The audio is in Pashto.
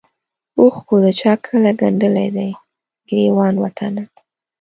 اوښکو د چا کله ګنډلی دی ګرېوان وطنه